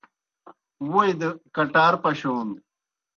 ووئی دہ کٹار پشون